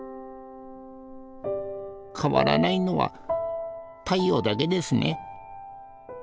変わらないのは太陽だけですね。